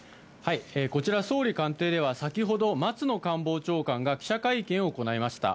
こちら総理官邸では、先ほど松野官房長官が記者会見を行いました。